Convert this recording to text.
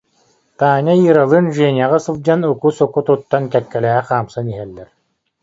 Таня Иралыын Женяҕа сылдьан уку-суку туттан, кэккэлэһэ хаамсан иһэллэр